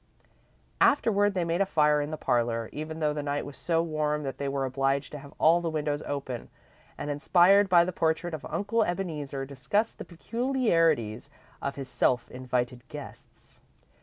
Afterward, they made a fire in the parlour, even though the night was so warm that they were obliged to have all the windows open, and, inspired by the portrait of Uncle Ebeneezer, discussed the peculiarities of his self invited guests.